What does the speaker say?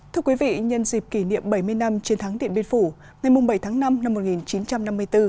thưa quý vị nhân dịp kỷ niệm bảy mươi năm chiến thắng điện biên phủ ngày bảy tháng năm năm một nghìn chín trăm năm mươi bốn